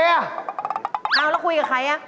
เอาแล้วคุยกับใคร